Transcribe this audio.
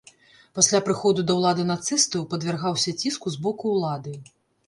Пасля прыходу да ўлады нацыстаў падвяргаўся ціску з боку ўлады.